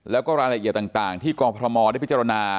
แล้วก็รายละเอียดต่างที่กรพมได้พิจารณา